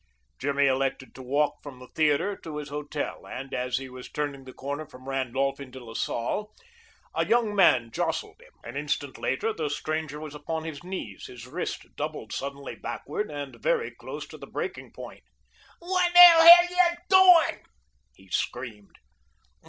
Jimmy elected to walk from the theater to his hotel, and as he was turning the corner from Randolph into La Salle a young man jostled him. An instant later the stranger was upon his knees, his wrist doubled suddenly backward and very close to the breaking point. "Wot t' hell yuh doin'?" he screamed.